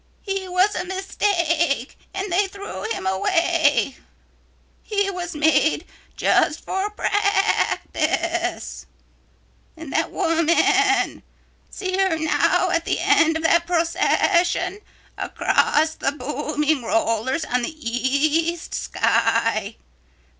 He was a mistake and they threw him away. He was made just for practice. "And that woman. See her now at the end of that procession across the booming rollers on the east sky.